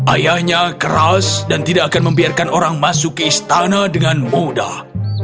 ayahnya keras dan tidak akan membiarkan orang masuk ke istana dengan mudah